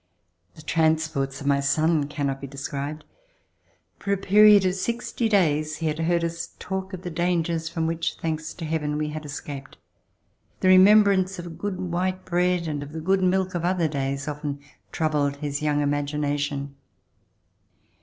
The transports of my son cannot be described. For a period of sixty days he had heard us talk of the dangers from which, thanks to Heaven, we had escaped. The remembrance of good white bread and of the good milk of other days often troubled his young imagination.